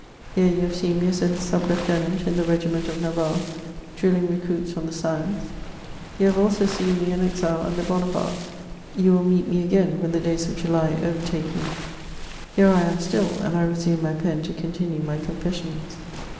Here you have seen me a sub lieutenant in the regiment of Navarre, drilling recruits on the sands ; you have also seen me an exile under Bonaparte, you wUl meet me again, when the days of July overtake me. Here I am still ; and I resume my pen to continue my Confessions.